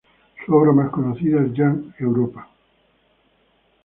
Su obra más conocida es "Jan Europa".